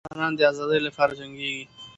ځوانان د ازادۍ لپاره جنګیږي.